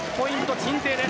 鎮西です。